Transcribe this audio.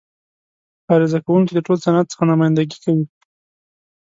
عرضه کوونکی د ټول صنعت څخه نمایندګي کوي.